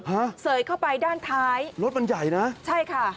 ฮะรถมันใหญ่นะใช่ค่ะดับค่ะที่รถมันใหญ่นะใช่ค่ะ